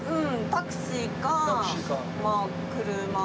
タクシーかまあ車。